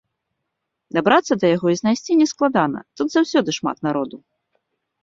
Дабрацца да яго і знайсці не складана, тут заўсёды шмат народу.